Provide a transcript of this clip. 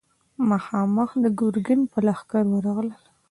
مخامخ د ګرګين پر لښکر ورغلل.